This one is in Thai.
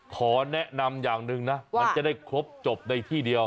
ขอแนะนำอย่างหนึ่งนะมันจะได้ครบจบในที่เดียว